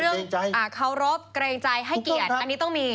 เรื่องเคารพเกรงใจให้เกลียดอันนี้ต้องมี